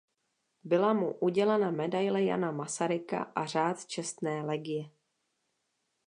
Byla mu udělena Medaile Jana Masaryka a Řád Čestné legie.